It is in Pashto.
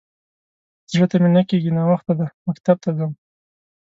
_زړه ته مې نه کېږي. ناوخته دی، مکتب ته ځم.